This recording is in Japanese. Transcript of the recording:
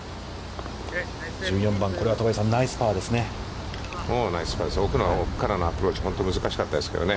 １４番、これは戸張さん、ナイスパーですね。